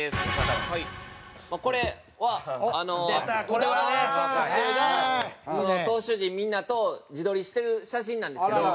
これは宇田川選手が投手陣みんなと自撮りしてる写真なんですけど。